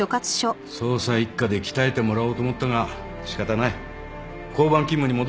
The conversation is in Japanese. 捜査一課で鍛えてもらおうと思ったが仕方ない交番勤務に戻れ。